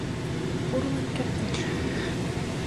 Пурлын кертеш.